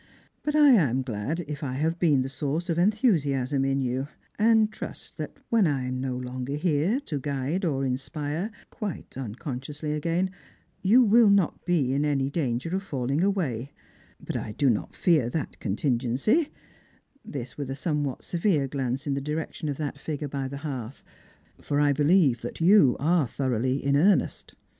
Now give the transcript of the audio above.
But I am glad if I have been the source of enthusiasm in you, and trust that when 1 am no longer here to guide or inspire — quite unconsciouslf again — you will not be in any danger of falling away. But I do not fear that contingency "— this with 136 Strangers and Pilgrims. a somewhat severe pflance in the direction of that figui e by the hearth—" for I believe that you are thoroughly in earnest.